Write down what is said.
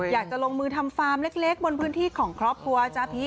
อยากจะลงมือทำฟาร์มเล็กบนพื้นที่ของครอบครัวจ๊ะพี่